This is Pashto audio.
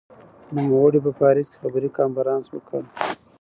نوموړي په پاریس کې خبري کنفرانس وکړ.